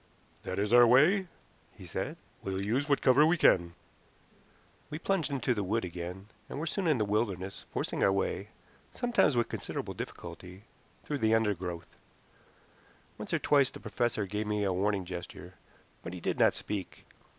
"That is our way," he said. "We'll use what cover we can." We plunged into the wood again, and were soon in the wilderness, forcing our way, sometimes with considerable difficulty, through the undergrowth. Once or twice the professor gave me a warning gesture, but he did not speak.